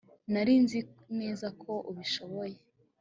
nari nzi neza ko ubishoboye